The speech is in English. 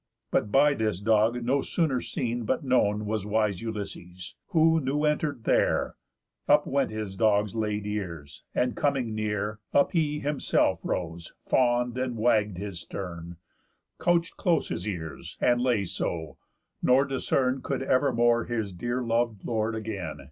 But by this dog no sooner seen but known Was wise Ulysses, who new enter'd there, Up went his dog's laid ears, and, coming near, Up he himself rose, fawn'd, and wagg'd his stern, Couch'd close his ears, and lay so; nor discern Could evermore his dear lov'd lord again.